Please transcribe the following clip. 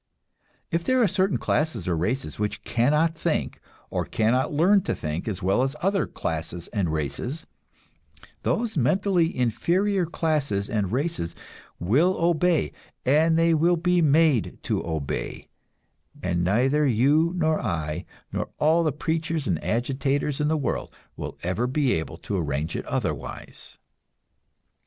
If there are certain classes or races which cannot think, or cannot learn to think as well as other classes and races, those mentally inferior classes and races will obey, and they will be made to obey, and neither you nor I, nor all the preachers and agitators in the world, will ever be able to arrange it otherwise.